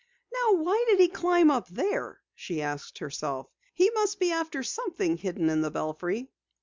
"Now why did he climb up there?" she asked herself. "He must be after something hidden in the belfry."